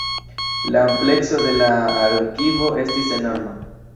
La amplekso de la arkivo estis enorma.